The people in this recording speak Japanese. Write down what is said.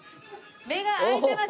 目が開いてません。